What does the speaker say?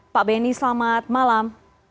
pak beni selamat malam